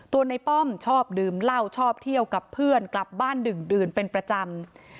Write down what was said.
ในป้อมชอบดื่มเหล้าชอบเที่ยวกับเพื่อนกลับบ้านดึ่งเป็นประจำ